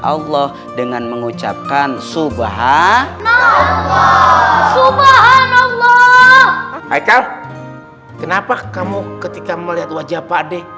allah dengan mengucapkan subhanallah subhanallah hai hai kenapa kamu ketika melihat wajah pakde